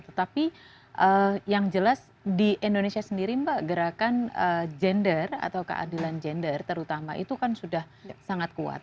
tetapi yang jelas di indonesia sendiri mbak gerakan gender atau keadilan gender terutama itu kan sudah sangat kuat